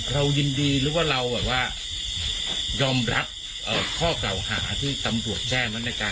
เรายินดีหรือว่าเรายอมรับเอ่อข้อเก่าหาที่ตำบวกแช่มันในการ